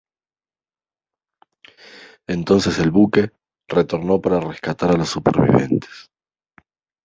Entonces, el buque, retornó para rescatar a los supervivientes.